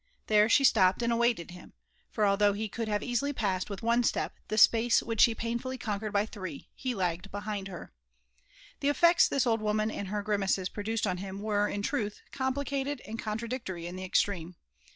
Tkere she stepped aMi awaAedi him; for allliou^h he could easily hanre passed! wilh onestof^the spMS which she painfully conquered by three^ he lagged behind her. TImi eiSects this old woman and liar grimaces {Mrodueed on him were^ in truth, complicated and contradictory 'm the extreme.